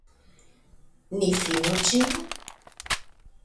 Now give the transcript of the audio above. Ni finu ĝin?